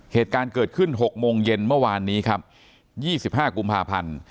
เหตุการณ์เกิดขึ้น๖โมงเย็นเมื่อวานนี้ครับ๒๕กุมภาพันธ์